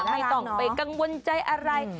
ไม่ต้องไปกังวลใจอะไร